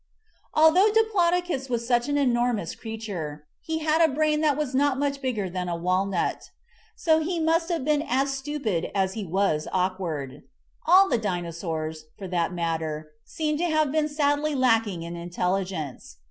Although Diplodocus was such an enormous creature, he had a brain that was not much bigger than a walnut. So he must have been as stupid as he was awkward. All the Dinosaurs, for that matter, seem to have been sadly lacking in intelli gence.